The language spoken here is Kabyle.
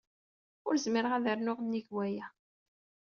Ur zmireɣ ad rnuɣ nnig waya.